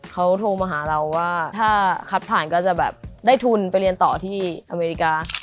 เขาโทรมาหาเราว่าถ้าคัดผ่านก็จะแบบได้ทุนไปเรียนต่อที่อเมริกา